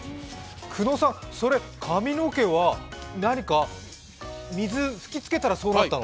それ、髪の毛は水吹きつけたらそうなったの？